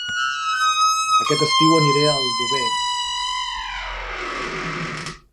Aquest estiu aniré a Aldover